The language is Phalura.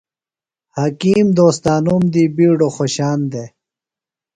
حکیم دوستانوم دی بِیڈوۡ خوۡشان دےۡ۔